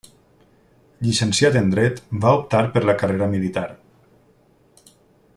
Llicenciat en Dret, va optar per la carrera militar.